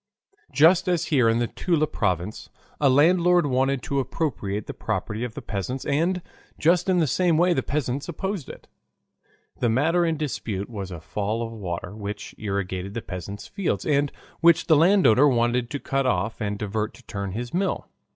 Just as here in the Toula province, a landlord wanted to appropriate the property of the peasants and just in the same way the peasants opposed it. The matter in dispute was a fall of water, which irrigated the peasants' fields, and which the landowner wanted to cut off and divert to turn his mill.